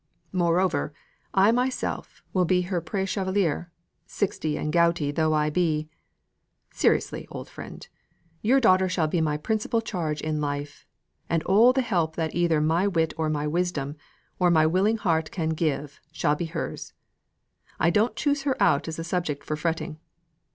Moreover, I myself, will be her preux chevalier, sixty and gouty though I be. Seriously, old friend, your daughter shall be my principal charge in life, and all the help that either my wit or my wisdom or my willing heart can give, shall be hers. I don't choose her out as a subject for fretting.